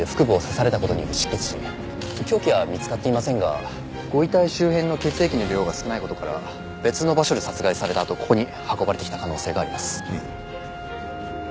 凶器は見つかっていませんがご遺体周辺の血液の量が少ない事から別の場所で殺害されたあとここに運ばれてきた可能性があります。